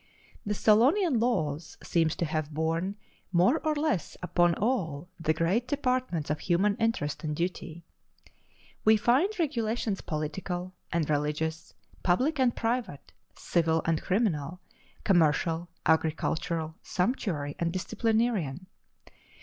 The Solonian laws seem to have borne more or less upon all the great departments of human interest and duty. We find regulations political and religious, public and private, civil and criminal, commercial, agricultural, sumptuary, and disciplinarian.